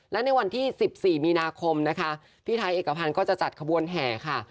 และในวันที่๑๔มีนาคมนะคะพี่ไทยเอกพันธ์ก็จะจัดขบวนแห่ค่ะ